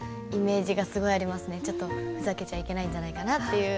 ちょっとふざけちゃいけないんじゃないかなという。